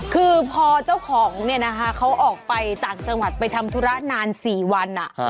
คือพอเจ้าของเนี่ยนะคะเขาออกไปต่างจังหวัดไปทำธุระนาน๔วัน